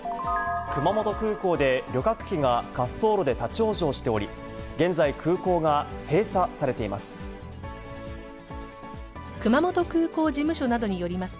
熊本空港で旅客機が滑走路で立往生しており、現在、空港が閉鎖されています。